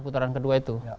putaran kedua itu